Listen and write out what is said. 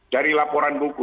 dari laporan buku